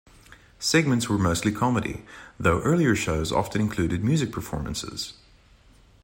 Segments were mostly comedy, though earlier shows often included music performances.